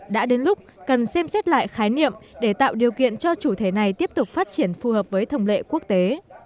đã đến lúc cần xem xét lại khái niệm để tạo điều kiện cho chủ thể này tiếp tục phát triển phù hợp với thông lệ quốc tế